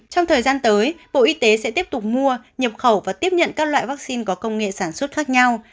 trong thời gian tới bộ y tế sẽ tiếp tục mua nhập khẩu và tiếp nhận các loại vaccine có công nghệ sản xuất khác nhau